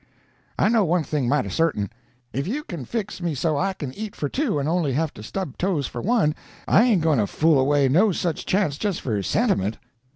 I know one thing mighty certain: if you can fix me so I can eat for two and only have to stub toes for one, I ain't going to fool away no such chance just for sentiment."